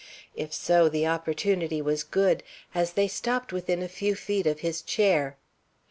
If so, the opportunity was good, as they stopped within a few feet of his chair.